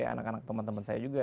anak anak teman teman saya juga